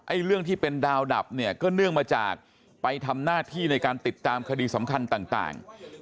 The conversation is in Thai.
เรื่องที่เป็นดาวดับเนี่ยก็เนื่องมาจากไปทำหน้าที่ในการติดตามคดีสำคัญต่าง